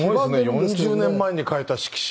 ４０年前に書いた色紙。